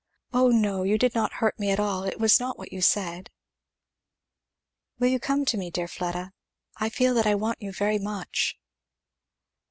"Oh no, you did not hurt me at all it was not what you said." "You will come to me, dear Fleda? I feel that I want you very much."